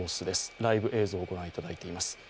ライブ映像をご覧いただいています。